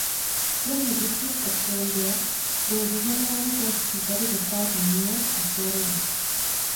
Kromě District of Columbia byly zaznamenány též případy ve státu New York a Florida.